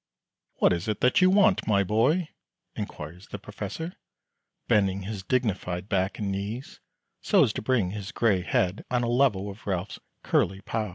"What is it that you want, my boy?" inquires the Professor, bending his dignified back and knees, so as to bring his gray head on a level with Ralph's "curly pow."